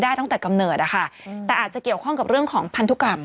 ตั้งแต่กำเนิดอะค่ะแต่อาจจะเกี่ยวข้องกับเรื่องของพันธุกรรม